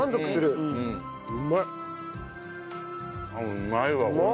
うまいわこれ。